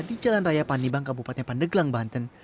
di jalan raya panibang kabupaten pandeglang banten